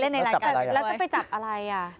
แล้วจะไปจับอะไร